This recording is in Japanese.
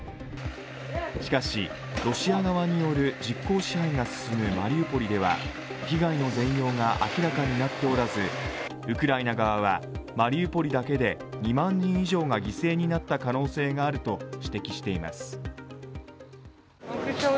しかし、ロシア側による実効支配が進むマリウポリでは、被害の全容が明らかになっておらずウクライナ側はマリウポリだけで２万人以上が犠牲になった可能性があると指摘しています。